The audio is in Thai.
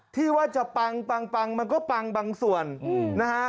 ที่ว่าจะปังปังมันก็ปังบางส่วนนะฮะ